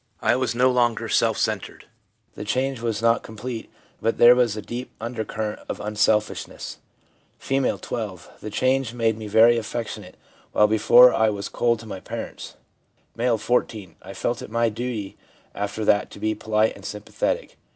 I was no longer self centered. The change was not complete, but there was a deep under current of unselfishness/ F., 12. ' The change made me very affectionate, while before I was cold to my parents/ M., 14. ' I felt it my duty after that to be polite and sym pathetic.